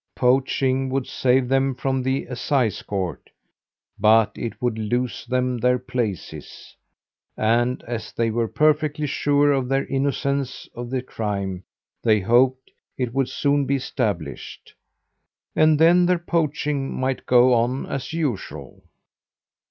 Poaching would save them from the Assize Court, but it would lose them their places; and, as they were perfectly sure of their innocence of the crime they hoped it would soon be established, and then their poaching might go on as usual.